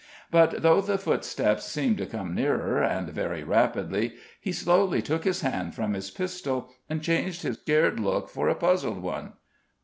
But though the footsteps seemed to come nearer, and very rapidly, he slowly took his hand from his pistol, and changed his scared look for a puzzled one.